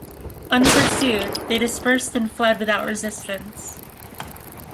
Unpursued, they dispersed and fled without resistance.